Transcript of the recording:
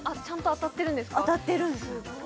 当たってるんですすごい！